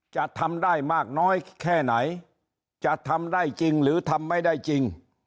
จะทำได้มากน้อยแค่ไหนจะทำได้จริงหรือทำไม่ได้จริง